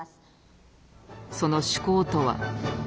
その趣向とは。